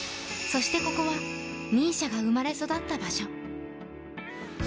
そしてここは、ＭＩＳＩＡが生まれ育った場所。